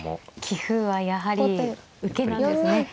棋風はやはり受けなんですね。